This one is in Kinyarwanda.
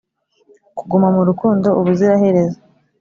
kuguma mu rukundo ubuziraherezo